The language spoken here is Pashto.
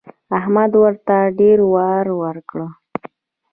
احمد ورته ډېر وار وکړ.